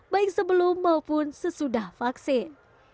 baik sebelum maupun sesudah vaksin